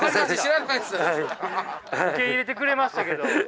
受け入れてくれましたけど。